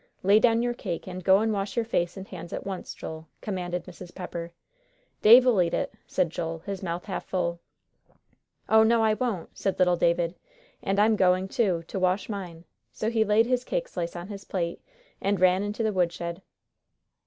"Lay down your cake, and go and wash your face and hands at once, Joel," commanded Mrs. Pepper. "Dave'll eat it," said Joel, his mouth half full. "Oh, no, I won't," said little David, "and I'm going too, to wash mine." So he laid his cake slice on his plate, and ran into the woodshed.